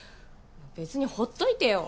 別にほっといてよ